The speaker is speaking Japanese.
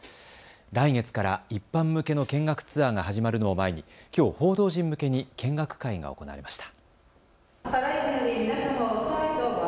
来月から一般向けの見学ツアーが始まるのを前にきょう、報道陣向けに見学会が行われました。